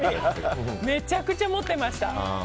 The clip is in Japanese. めちゃくちゃ持っていました。